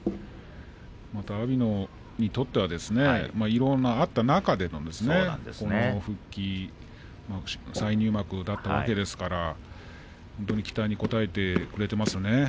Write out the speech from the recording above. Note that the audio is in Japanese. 阿炎にとってはいろいろあった中での復帰再入幕だったわけですから期待に応えてくれていますよね。